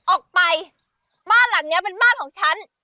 ออกไปบ้านหลังเนี้ยเป็นบ้านของฉัน